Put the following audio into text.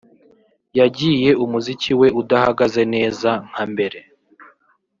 yagiye umuziki we udahagaze neza nka mbere